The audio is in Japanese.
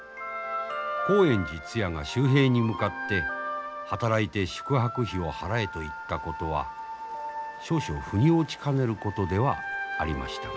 興園寺つやが秀平に向かって働いて宿泊費を払えと言ったことは少々ふに落ちかねることではありましたが。